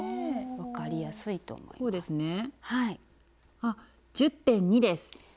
あっ１０．２です。